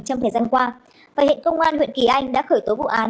trong thời gian qua và hiện công an huyện kỳ anh đã khởi tố vụ án